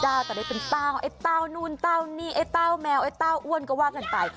จะได้เป็นเต้าไอ้เต้านู่นเต้านี่ไอ้เต้าแมวไอ้เต้าอ้วนก็ว่ากันไป